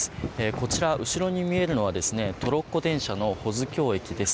こちら後ろに見せるのはトロッコ電車の保津峡駅です。